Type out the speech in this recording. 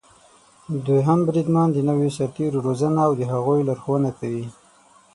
دوهم بریدمن د نويو سرتېرو روزنه او د هغوی لارښونه کوي.